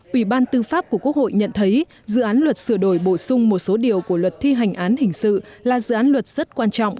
ủy ban tư pháp của quốc hội nhận thấy dự án luật sửa đổi bổ sung một số điều của luật thi hành án hình sự là dự án luật rất quan trọng